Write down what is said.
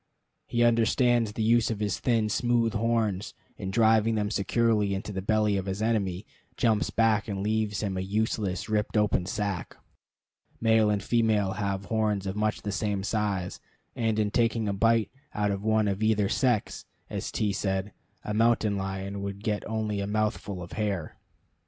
He understands the use of his thin, smooth horns, and, driving them securely into the belly of his enemy, jumps back and leaves him a useless, ripped open sack. Male and female have horns of much the same size; and in taking a bite out of one of either sex, as T said, a mountain lion would get only a mouthful of hair.